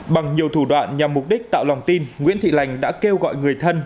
bằng nhiều thủ đoạn nhằm mục đích tạo lòng tin nguyễn thị lành đã kêu gọi người thân